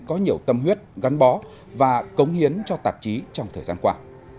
có nhiều tâm huyết gắn bó và cống hiến cho tạp chí trong thời gian qua